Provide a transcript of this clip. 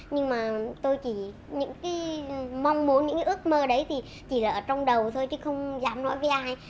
nhưng mà tôi chỉ mong muốn những ước mơ đấy thì chỉ là ở trong đầu thôi chứ không dám nói với ai